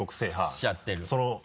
しちゃってる。